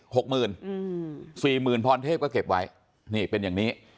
หกหมื่นอืมสี่หมื่นพรเทพก็เก็บไว้นี่เป็นอย่างนี้